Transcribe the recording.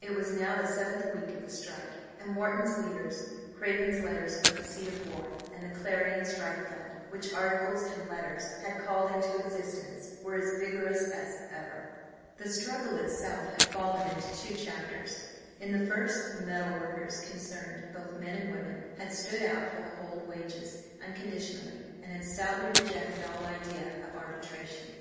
It was now the seventh week of the strike, and Wharton's "leaders," Craven's letters from the seat of war, and the Clarion strike fund, which articles and letters had called into existence, were as vigorous as ever. The struggle itself had fallen into two chapters. In the first the metal workers concerned, both men and women, had stood out for the old wages unconditionally and had stoutly rejected all idea of arbitration.